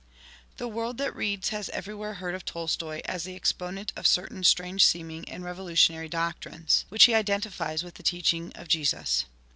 ^ The world that reads has everywhere heard of Tolsto'i as the exponent of certain strange seeming and revolutionary doctrines, which he identifies with the teaching of Jesus.